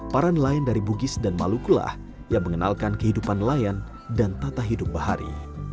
para nelayan dari bugis dan malukulah yang mengenalkan kehidupan nelayan dan tata hidup bahari